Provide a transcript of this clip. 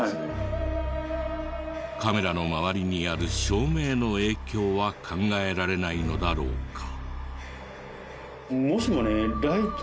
カメラの周りにある照明の影響は考えられないのだろうか？